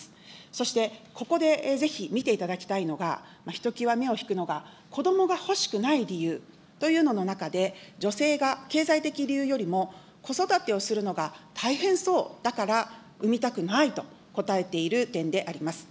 そして、ここでぜひ見ていただきたいのが、ひときわ目を引くのが、こどもが欲しくない理由というのの中で、女性が経済的理由よりも、子育てをするのが大変そうだから産みたくないと答えている点であります。